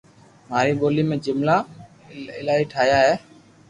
ماري ڀولي ۾ جملا ايلايو ٺايا ھي